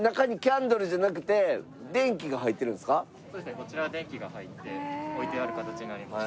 こちら電気が入って置いてある形になります。